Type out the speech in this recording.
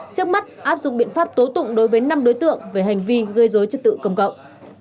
trước mắt áp dụng biện pháp tố tụng đối với năm đối tượng về hành vi gây dối trật tự công cộng